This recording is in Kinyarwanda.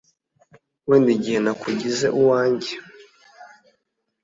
wenda igihe nakugize uwanjye